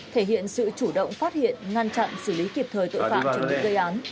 thể hiện sự chủ động phát hiện ngăn chặn xử lý kịp thời tội phạm trong những gây án